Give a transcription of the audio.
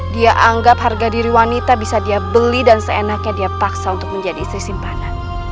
dia anggap harga diri wanita bisa dia beli dan seenaknya dia paksa untuk menjadi istri simpanan